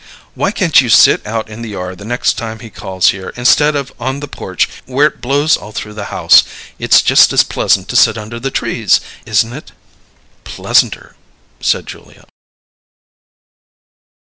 "Why can't you sit out in the yard the next time he calls here, instead of on the porch where it blows all through the house? It's just as pleasant to sit under the trees, isn't it?" "Pleasanter," said Julia.